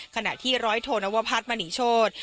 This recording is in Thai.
ขณะที่ร้อยโทนวพัฒน์มณีโชธ